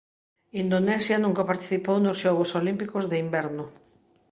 Indonesia nunca participou nos Xogos Olímpicos de Inverno.